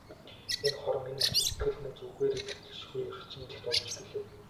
Энэ хором, энэ мөчид сэтгэл минь үгээр хэлшгүй хачин их догдолж билээ.